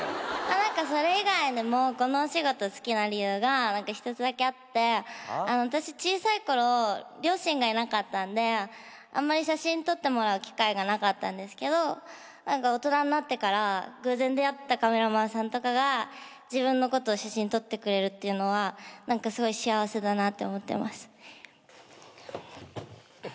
何かそれ以外でもこのお仕事好きな理由が一つだけあってあたし小さいころ両親がいなかったんであんまり写真撮ってもらう機会がなかったんですけど何か大人になってから偶然出会ったカメラマンさんとかが自分のこと写真撮ってくれるっていうのは何かすごい幸せだなって思ってます。